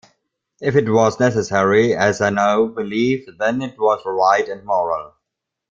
If it was necessary, as I now believe, then it was right and moral.